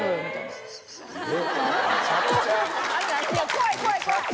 怖い怖い怖い！